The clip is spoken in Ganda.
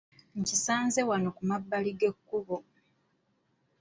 Nkisanze wano ku mabbali g'ekkubo!